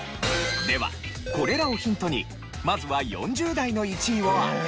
ではこれらをヒントにまずは４０代の１位を当てて頂きます。